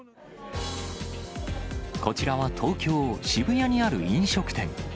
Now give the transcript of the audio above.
こちらは東京・渋谷にある飲食店。